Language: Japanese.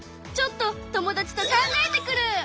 ちょっと友達と考えてくる！